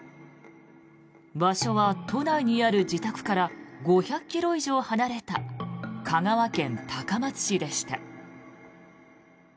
場所は都内にある自宅から５００ｋｍ以上離れた香川県高松市でした。